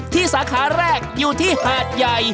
สาขาแรกอยู่ที่หาดใหญ่